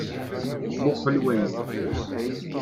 Muqqel waki.